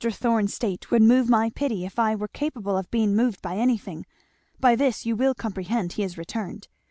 Thorn's state would move my pity if I were capable of being moved by anything by this you will comprehend he is returned.